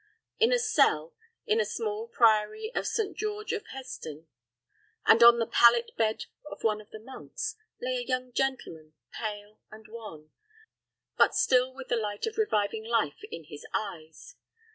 In a cell, in the small priory of St. George of Hesdin, and on the pallet bed of one of the monks, lay a young gentleman pale and wan, but still with the light of reviving life in his eyes.